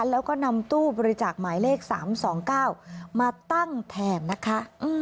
แล้วก็นำตู้บริจาคหมายเลข๓๒๙มาตั้งแทนนะคะ